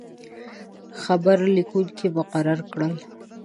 خبر لیکونکي مقرر کړل.